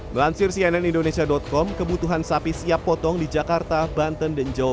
melansir cnn indonesia com kebutuhan sapi siap potong di jakarta banten dan jawa